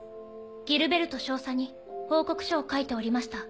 ギルベルト少佐に報告書を書いておりました。